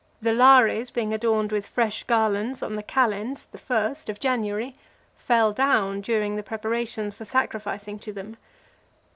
The Lares being adorned with fresh garlands on the calends (the first) of January, fell down during the preparations for sacrificing to them.